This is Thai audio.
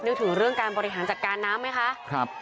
นึกถึงเรื่องการบริหารจัดการน้ำไหมคะพ่อเหนียวประวิทย์ครับ